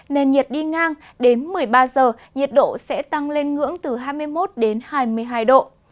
nền nhiệt đi ngang đến một mươi ba giờ nhiệt độ sẽ tăng lên ngưỡng từ hai mươi một đến hai mươi hai độ